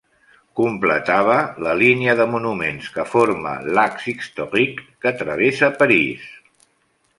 Completava la línia de monuments que forma l'"Ax historique" que travessa París.